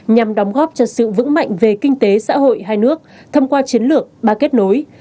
nhằm đóng góp cho sự vững mạnh về kinh tế xã hội hai nước thông qua chiến lược ba kết nối